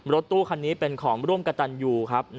รถตู้คันนี้เป็นของร่วมกระตันยูครับ